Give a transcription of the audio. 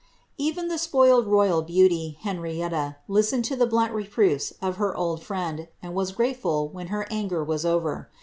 Even the spoiled royal beauty, Henrietta, listened to the blunt reproofs of her old friend, and was grateful when her anger was over.